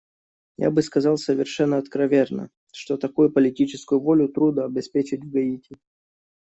Я бы сказал совершено откровенно, что такую политическую волю трудно обеспечить в Гаити.